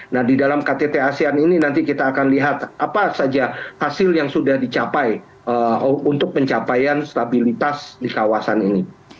nah di dalam ktt asean ini nanti kita akan lihat apa saja hasil yang sudah dicapai untuk pencapaian stabilitas di kawasan ini